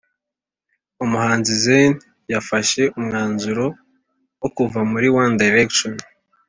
umuhanzizayn yafashe umwanzuro wo kuva muri one direction